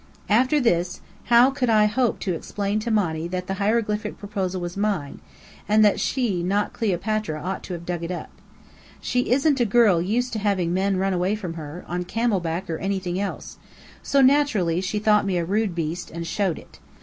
After this, how could I hope to explain to Monny that the hieroglyphic proposal was mine, and that she, not Cleopatra, ought to have dug it up? She isn't a girl used to having men run away from her, on camelback or anything else so naturally she thought me a rude beast, and showed it.